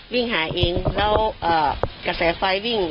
วิ่งหาเองแล้วกระแสไฟวิ่ง